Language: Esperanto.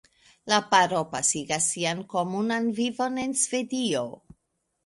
La paro pasigis sian komunan vivon en Svedio.